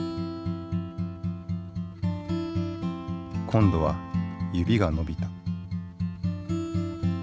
今度は指が伸びた。